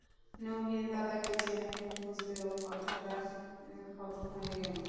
নবীন দাদাকে চেনে, বুঝলে ও কথাটা খতম হয়ে গেল।